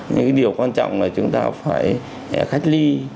nhưng cái điều quan trọng là chúng ta phải cách ly